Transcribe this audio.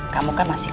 kamu kan masih